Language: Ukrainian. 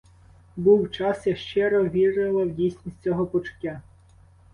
Був час, я щиро вірила в дійсність цього почуття.